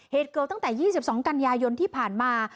เหตุเกิดตั้งแต่๒๒กันยายนที่ผ่านมา